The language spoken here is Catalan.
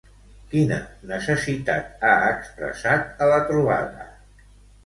Quina necessitat ha expressat a la trobada?